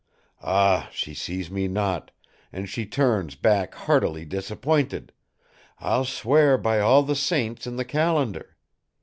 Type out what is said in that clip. Ah, she sees me not, and she turns back heartily disappointed, I'll swear by all the saints in the calendar!